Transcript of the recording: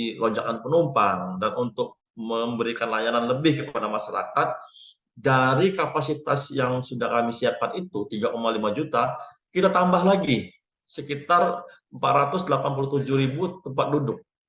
dari lonjakan penumpang dan untuk memberikan layanan lebih kepada masyarakat dari kapasitas yang sudah kami siapkan itu tiga lima juta kita tambah lagi sekitar empat ratus delapan puluh tujuh ribu tempat duduk